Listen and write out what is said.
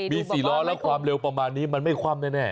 มี๔ล้อแล้วความเร็วประมาณนี้มันไม่คว่ำแน่